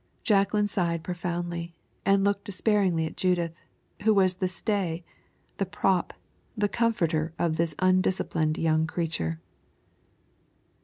Jacqueline sighed profoundly, and looked despairingly at Judith, who was the stay, the prop, the comforter of this undisciplined young creature.